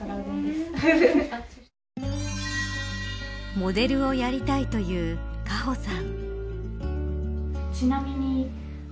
モデルやりたいという果歩さん。